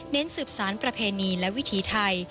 เน้นสืบสร้างประเพณีและวิธีไทย